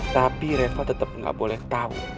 tapi reva tetep gak boleh tau